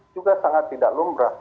juga sangat tidak lumrah